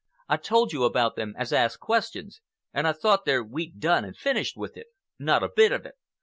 I told you about them as asked questions, and I thought there we'd done and finished with it. Not a bit of it!